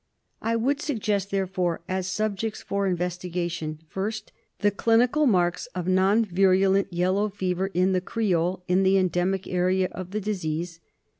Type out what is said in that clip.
I would suggest therefore as subjects for investigation : First, the clinical marks of non virulent yellow fever in the Creole in the endemic area of the disease.